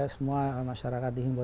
semua masyarakat dihimbo